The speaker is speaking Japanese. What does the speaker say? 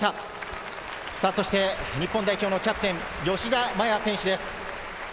そしてキャプテン・吉田麻也選手です。